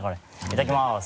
いただきます。